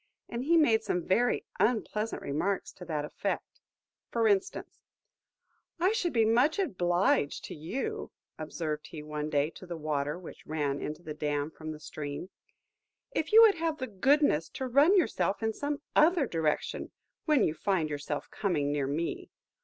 And he made some very unpleasant remarks to that effect. For instance: "I should be much obliged to you," observed he one day to the water which ran into the dam from the stream, "if you would have the goodness to turn yourself in some other direction, when you find yourself coming near me.